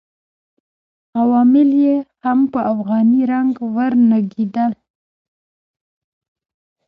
عوامل یې هم په افغاني رنګ ورنګېدل.